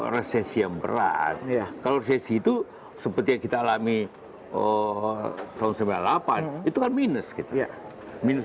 resesi yang berat kalau resesi itu seperti yang kita alami tahun seribu sembilan ratus sembilan puluh delapan itu kan minus gitu ya minus